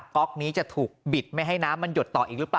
ก๊อกนี้จะถูกบิดไม่ให้น้ำมันหยดต่ออีกหรือเปล่า